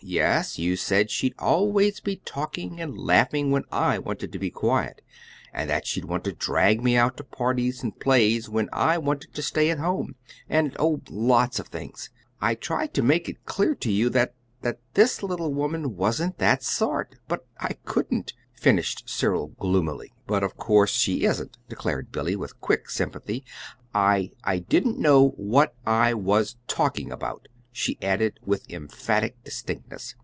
"Yes. You said she'd always be talking and laughing when I wanted to be quiet, and that she'd want to drag me out to parties and plays when I wanted to stay at home; and oh, lots of things. I tried to make it clear to you that that this little woman wasn't that sort. But I couldn't," finished Cyril, gloomily. "But of course she isn't," declared Billy, with quick sympathy. "I I didn't know WHAT I was talking about," she added with emphatic distinctness.